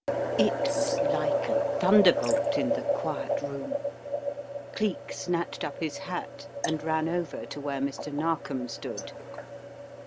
It was like a thunderbolt in the quiet room. Cleek snatched up his hat and ran over to where Mr. Nar kom stood.